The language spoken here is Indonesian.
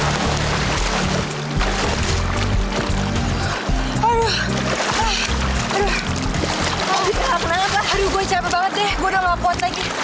aku nangis banget aduh gue capek banget deh gue udah lapot lagi